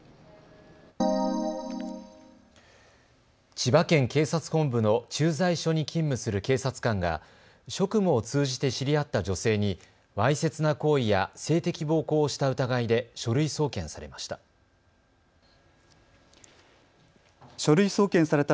千葉県警察本部の駐在所に勤務する警察官が職務を通じて知り合った女性にわいせつな行為や性的暴行をした疑いで書類送検されました。